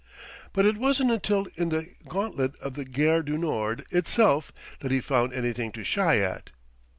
But it wasn't until in the gauntlet of the Gare du Nord itself that he found anything to shy at.